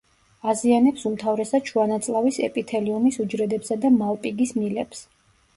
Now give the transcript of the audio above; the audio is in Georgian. აზიანებს უმთავრესად შუა ნაწლავის ეპითელიუმის უჯრედებსა და მალპიგის მილებს.